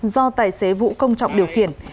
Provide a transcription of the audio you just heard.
do tài xế vụ công trọng điều khiển